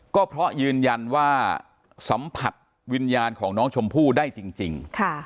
ก็เพราะยืนยันว่าสัมผัสวิญญาณของน้องชมพู่ได้จริง